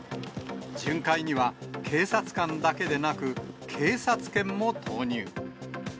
巡回には、警察官だけでなく、警察犬も投入。